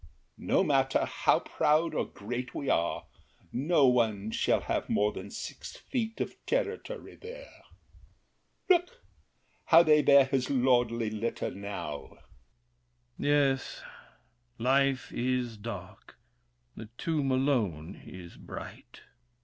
No matter How proud or great we are, no one shall have More than six feet of territory there. Look! how they bear his lordly litter now! THE KING. Yes, life is dark; the tomb alone is bright.